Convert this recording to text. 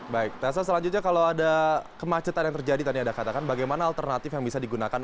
baik taza selanjutnya kalau ada kemacetan yang terjadi tadi ada katakan bagaimana alternatif yang bisa digunakan